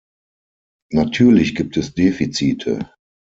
Natürlich gibt es Defizite.